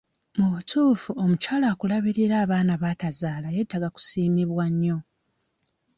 Mu butuufu omukyala akulabiririra abaana baatazaala yeetaaga kusiimwa nnyo.